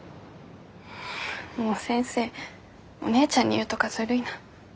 もう先生お姉ちゃんに言うとかずるいな。